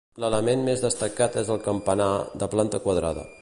L'element més destacat és el campanar, de planta quadrada.